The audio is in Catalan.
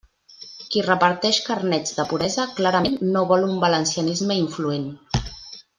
Qui reparteix carnets de puresa, clarament, no vol un valencianisme influent.